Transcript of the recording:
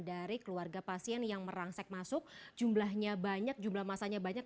dari keluarga pasien yang merangsek masuk jumlahnya banyak jumlah masanya banyak